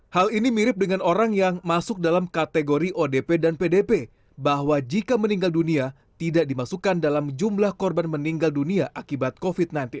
hal ini mirip dengan orang yang masuk dalam kategori odp dan pdp bahwa jika meninggal dunia tidak dimasukkan dalam jumlah korban meninggal dunia akibat covid sembilan belas